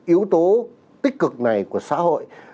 yếu tố tích cực này của xã hội